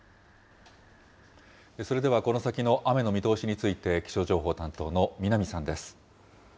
それではこの先の雨の見通しについて、気象情報担当の南さんです。